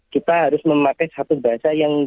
kita harus memakai satu bahasa yang